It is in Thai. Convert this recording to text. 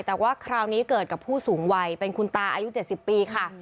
แต่ว่าคราวนี้เกิดกับผู้สูงวัยเป็นคุณตาอายุ๗๐ปีค่ะ